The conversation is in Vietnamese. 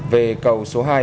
về cầu số hai